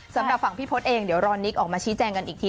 สั่งพี่พลอร์ตเองเดี๋ยวรอนิกออกมาชี้แจงกันอีกที